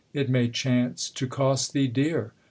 it may chance To cost thee dear.